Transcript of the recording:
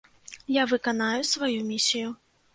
Я выканаю сваю місію.